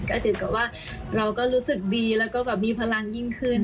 ก็ถือกับว่าเราก็รู้สึกดีแล้วก็แบบมีพลังยิ่งขึ้น